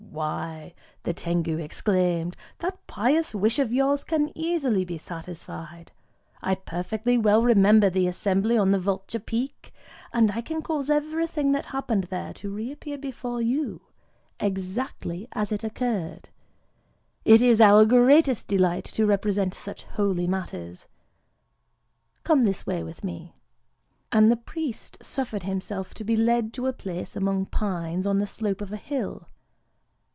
"Why," the Tengu exclaimed, "that pious wish of yours can easily be satisfied. I perfectly well remember the assembly on the Vulture Peak; and I can cause everything that happened there to reappear before you, exactly as it occurred. It is our greatest delight to represent such holy matters…. Come this way with me!" And the priest suffered himself to be led to a place among pines, on the slope of a hill.